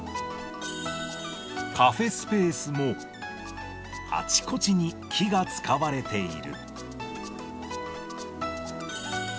カフェスペースも、あちこちに木が使われている。